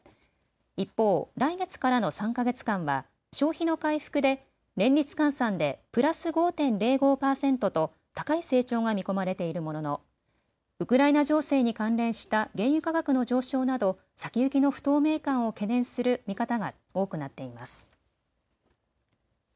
一方、来月からの３か月間は消費の回復で年率換算でプラス５．０５％と高い成長が見込まれているもののウクライナ情勢に関連した原油価格の上昇など先行きの不透明感を懸念する見方が多くなっています。